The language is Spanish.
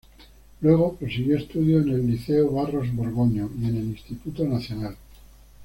Luego prosiguió estudios en el Liceo Barros Borgoño y en el Instituto Nacional.